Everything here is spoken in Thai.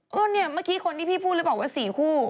ก็เนี่ยเมื่อกี้คนที่พี่พูดเลยบอกว่า๔คู่